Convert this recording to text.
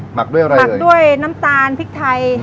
หมักด้วยอะไรหมักด้วยน้ำตาลพริกไทย